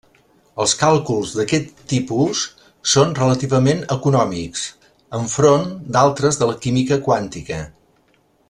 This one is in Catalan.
Els càlculs d'aquest tipus són relativament econòmics enfront d'altres de la química quàntica.